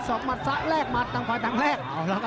สอบหมัดซ้ายแลกหมัดต่างต่างแรก